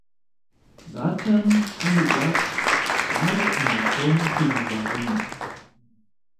Батэм тхьэ иӀуат ар Начом хуимыгъэгъуну.